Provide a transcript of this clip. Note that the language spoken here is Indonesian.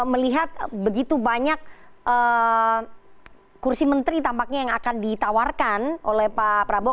melihat begitu banyak kursi menteri tampaknya yang akan ditawarkan oleh pak prabowo